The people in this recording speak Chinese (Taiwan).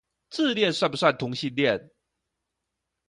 自戀算不算同性戀？